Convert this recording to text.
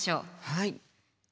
はい。